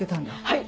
はい！